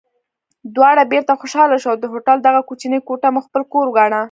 دواړه بېرته خوشحاله شوو او د هوټل دغه کوچنۍ کوټه مو خپل کور وګاڼه.